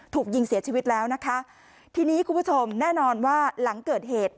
ถูกยิงเสียชีวิตแล้วนะคะทีนี้คุณผู้ชมแน่นอนว่าหลังเกิดเหตุ